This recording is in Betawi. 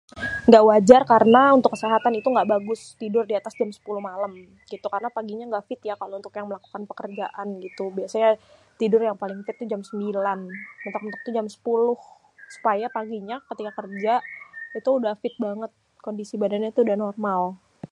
Gak wajar karéna untuk késéhatan itu kan éngga bagus tidur diatas jam 10 malém karéna paginya éngga fit untuk yang mélakukan pékérjaan gitu biasanya tidur yang paling fit itu jam 9 méntok-méntok tuh jam 10 supaya paginya kétika kérja itu tuh udah fit bangét kondisi bandannya udah normal